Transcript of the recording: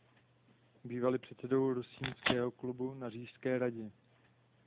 Býval i předsedou Rusínského klubu na Říšské radě.